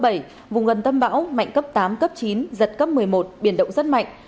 tâm tâm bão mạnh cấp tám cấp chín giật cấp một mươi một biển động rất mạnh